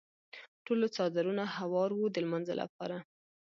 ټولو څادرونه هوار وو د لمانځه لپاره.